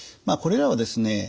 これらはですね